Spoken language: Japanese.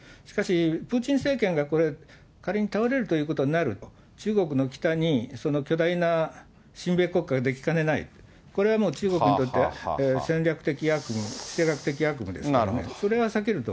しかし、プーチン政権が、これ、仮に倒れるということになると、中国の北にその巨大な親米国家ができかねないと、これはもう中国にとって、戦略的悪夢、政略的悪夢ですね。